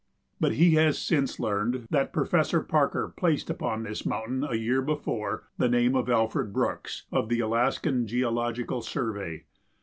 But he has since learned that Professor Parker placed upon this mountain, a year before, the name of Alfred Brooks, of the Alaskan Geological Survey.